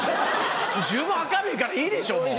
十分明るいからいいでしょもう。